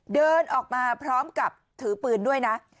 เดินออกมาพร้อมกับถือปืนด้วยนะ